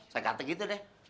saya kata gitu deh